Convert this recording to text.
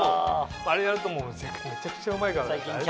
あれやるともうめちゃくちゃうまいから大好きです。